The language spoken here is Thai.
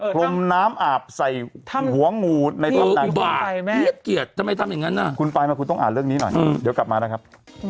โครมน้ำอาบใส่หัวงูในตำนานคุณปลายมาคุณต้องอ่านเรื่องนี้หน่อยเดี๋ยวกลับมานะครับ